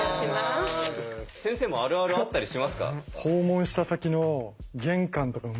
先生もあるあるあったりしますか？